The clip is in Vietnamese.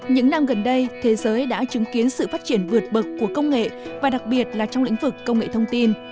những năm gần đây thế giới đã chứng kiến sự phát triển vượt bậc của công nghệ và đặc biệt là trong lĩnh vực công nghệ thông tin